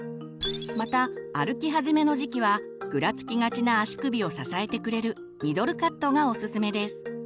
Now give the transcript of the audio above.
また歩き始めの時期はぐらつきがちな足首を支えてくれる「ミドルカット」がおすすめです。